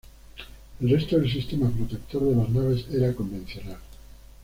El resto del sistema protector de las naves era convencional.